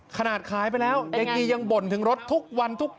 ขนาดขายไปแล้วยายกียังบ่นถึงรถทุกวันทุกวัน